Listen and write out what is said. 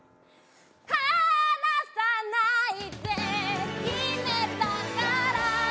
離さないって決めたから